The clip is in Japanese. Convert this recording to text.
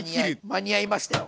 間に合いましたよ。